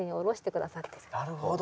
なるほど。